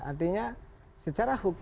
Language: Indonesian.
artinya secara hukum